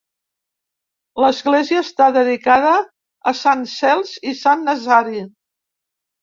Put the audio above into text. L'església està dedicada a Sant Cels i Sant Nazari.